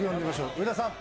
上田さん。